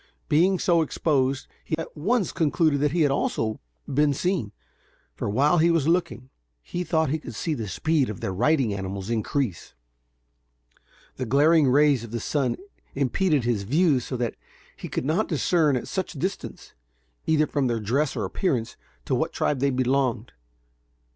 Being so exposed, he at once concluded that he also had been seen, for while he was looking, he thought he could see the speed of their riding animals increase. The glaring rays of the sun impeded his view, so that he could not discern at such a distance, either from their dress or appearance, to what tribe they belonged.